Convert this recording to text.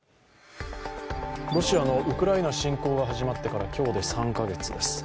ロシアのウクライナ侵攻が始まってから今日で３カ月です。